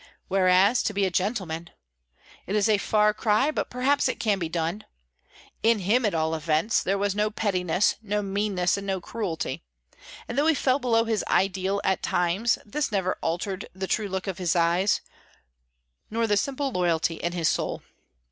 Whereas—to be a gentleman! It is a far cry, but perhaps it can be done. In him, at all events, there was no pettiness, no meanness, and no cruelty, and though he fell below his ideal at times, this never altered the true look of his eyes, nor the simple loyalty in his soul.